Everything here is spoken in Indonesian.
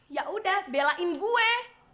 ya udah belain gue